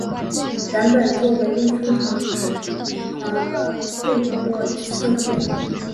原本作为输送船团而被逼撤退。